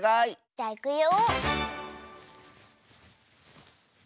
じゃいくよ。